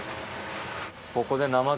ここで。